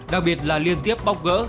đặc biệt là liên tiếp bóc gỡ